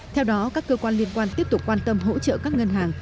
theo đó các cơ quan liên quan tiếp tục quan tâm hỗ trợ các ngân hàng